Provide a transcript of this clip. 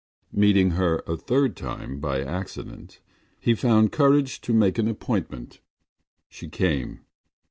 Meeting her a third time by accident he found courage to make an appointment. She came.